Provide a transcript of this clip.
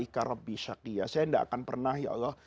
saya tidak akan pernah ya allah